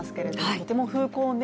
とても風光明